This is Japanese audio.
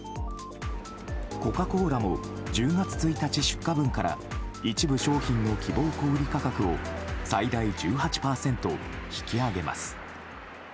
コカ・コーラも１０月１日出荷分から一部商品の希望小売価格を最大１８％引き上げます。